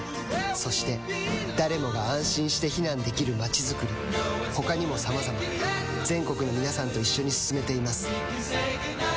そして誰もが安心して避難できる街づくり他にもさまざま全国の皆さんと一緒に進めています